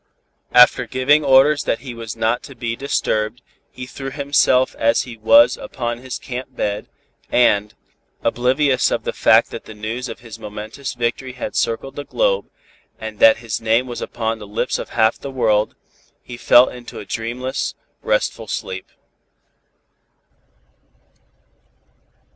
After giving orders that he was not to be disturbed, he threw himself as he was upon his camp bed, and, oblivious of the fact that the news of his momentous victory had circled the globe and that his name was upon the lips of half the world, he fell into a dreamless, restful sleep.